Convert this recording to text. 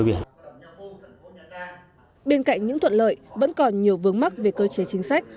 bên cạnh những thuận lợi vẫn còn nhiều vướng mắc về cơ chế chính sách